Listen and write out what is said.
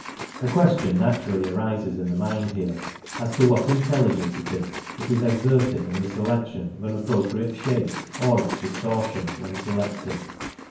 A question naturally arises in the mind here as to what intelligence it is that is exerted in the selection of an appropriate shape or its distortion when selected.